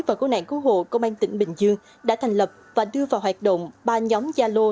và cố nạn cứu hộ công an tỉnh bình dương đã thành lập và đưa vào hoạt động ba nhóm gia lô